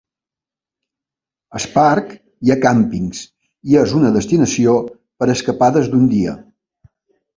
Al parc hi ha càmpings i és una destinació per a escapades d'un dia.